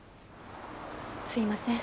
すみません。